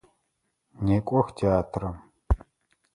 Некӏох театрэм!